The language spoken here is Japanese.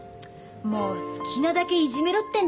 もう好きなだけいじめろってんだ。